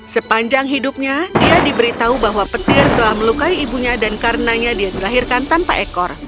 sepanjang hidupnya dia diberitahu bahwa petir telah melukai ibunya dan karenanya dia dilahirkan tanpa ekor